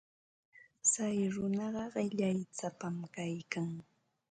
Tsay runaqa qillaysapam kaykan.